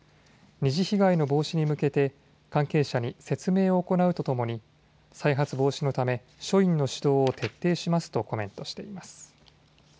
二次被害の防止に向けて関係者に説明を行うとともに再発防止のため、署員の指導を徹底しますとコメントしています。